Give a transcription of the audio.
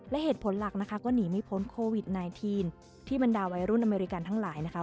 และเหตุผลหลักนะคะก็หนีไม่พ้นโควิด๑๙ที่บรรดาวัยรุ่นอเมริกันทั้งหลายนะคะ